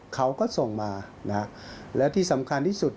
เขาก็ส่งมานะฮะและที่สำคัญที่สุด